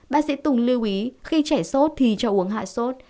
bác sĩ tùng lưu ý khi trẻ sốt thì cho uống hạ sốt